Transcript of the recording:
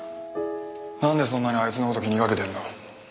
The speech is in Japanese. なんでそんなにあいつの事気にかけてるの？